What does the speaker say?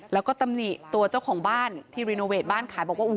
แล้วก็ตำหนิตัวเจ้าของบ้านที่รีโนเวทบ้านขายบอกว่า